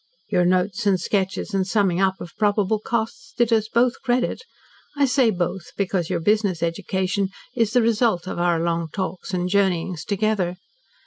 Your notes and sketches and summing up of probable costs did us both credit I say 'both' because your business education is the result of our long talks and journeyings together.